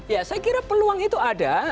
ya saya kira peluang itu ada